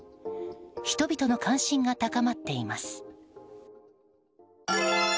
人々の関心が高まっています。